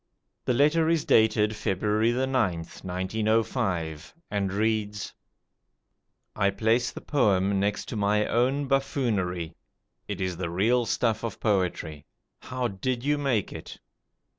The letter is dated February 9th, 1905, and reads: "I place the poem next to my own buffoonery. It is the real stuff of poetry. How did you make it?